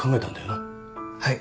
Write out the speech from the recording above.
はい。